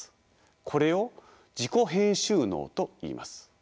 これを自己編集能といいます。